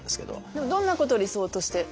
でもどんなことを理想として？